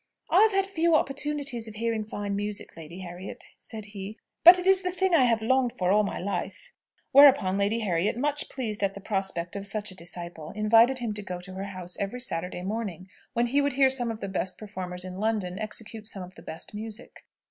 "I have had few opportunities of hearing fine music, Lady Harriet," said he; "but it is the thing I have longed for all my life." Whereupon Lady Harriet, much pleased at the prospect of such a disciple, invited him to go to her house every Saturday morning, when he would hear some of the best performers in London execute some of the best music.